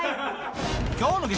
今日の激